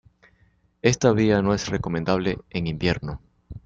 Esta vía no es recomendable en invierno.